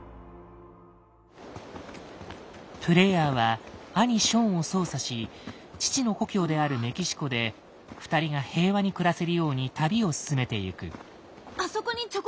プレイヤーは兄ショーンを操作し父の故郷であるメキシコで２人が平和に暮らせるように旅を進めてゆく。